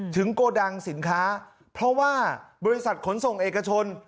โกดังสินค้าเพราะว่าบริษัทขนส่งเอกชน